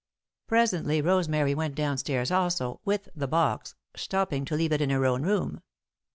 Presently Rosemary went down stairs also, with the box, stopping to leave it in her own room.